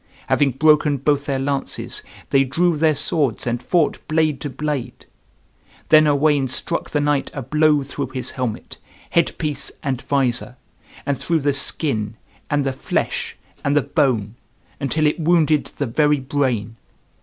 Having broken both their lances, they drew their swords and fought blade to blade. Then Owain struck the knight a blow through his helmet, head piece, and visor, and through the skin, and the flesh, and the bone, until it wounded the very brain.